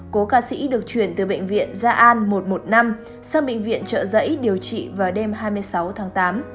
cố ca sĩ được chuyển từ bệnh viện gia an một trăm một mươi năm sang bệnh viện trợ giấy điều trị vào đêm hai mươi sáu tháng tám